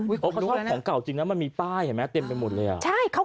เอาล่ะวันนั้นคือของเก่ายังแบบนี้มันมีป้ายเต็มไปหมดเลยเลย่า